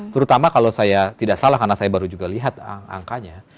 terutama kalau saya tidak salah karena saya baru juga lihat angkanya